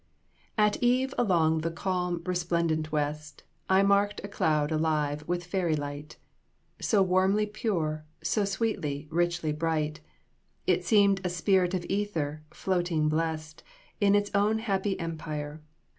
"At eve along the calm resplendent west I marked a cloud alive with fairy light, So warmly pure, so sweetly, richly bright, It seemed a spirit of ether, floating blest, In its own happy empire!